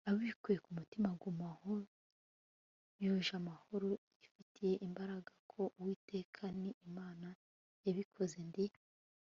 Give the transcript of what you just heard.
abikuye ku mutima, aguma aho, yuje amahoro, yifitemo ibanga ko atwite. ni imana yabikoze. ndi